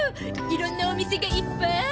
いろんなお店がいっぱい！